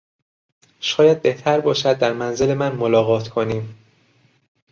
شاید بهتر باشد در منزل من ملاقات کنیم.